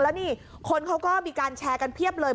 แล้วนี่คนเขาก็มีการแชร์กันเพียบเลย